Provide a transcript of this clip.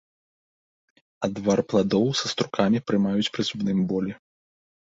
Адвар пладоў са струкамі прымаюць пры зубным болі.